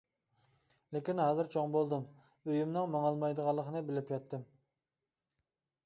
لېكىن ھازىر چوڭ بولدۇم، ئۆيۈمنىڭ ماڭالمايدىغانلىقىنى بىلىپ يەتتىم.